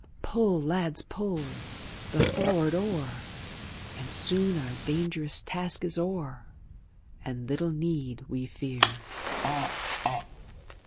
Pull, lads, pull! the for'ard oar, And soon our dangerous task is o'er, And little need we fear.